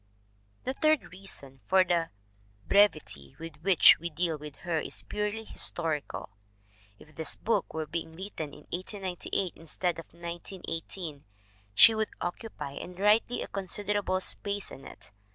The third reason for the brevity with which we deal with her is purely historical. If this book were being written in 1898 instead of 1918, she would oc cupy, and rightly, a considerable space in it.